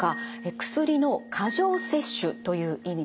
薬の過剰摂取という意味です。